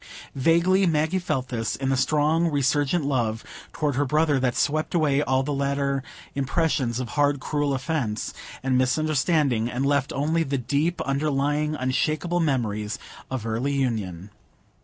Vaguely Maggie felt this, in the strong resurgent love toward her brother that swept away all the later impressions of hard, cruel offence and misunderstanding, and left only the deep, underlying, unshakable memories of early union.